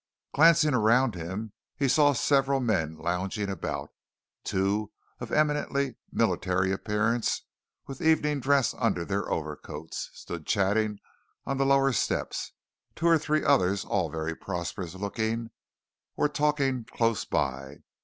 Glancing around him he saw several men lounging about two, of eminently military appearance, with evening dress under their overcoats, stood chatting on the lower steps; two or three others, all very prosperous looking, were talking close by.